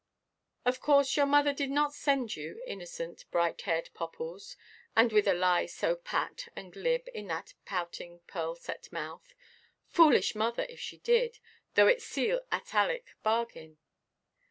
Of course your mother did not send you, innocent bright–haired popples, and with a lie so pat and glib in that pouting pearl–set mouth. Foolish mother, if she did, though it seal Attalic bargain!